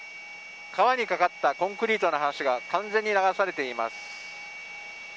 川に架かったコンクリートの橋が完全に流されています。